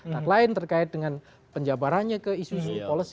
tak lain terkait dengan penjabarannya ke isu isu policy